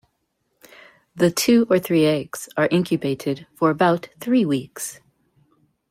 The two or three eggs are incubated for about three weeks.